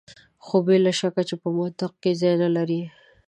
خو بې له شکه چې په منطق کې ځای نه لري.